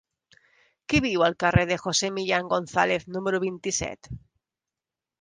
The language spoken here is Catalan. Qui viu al carrer de José Millán González número vint-i-set?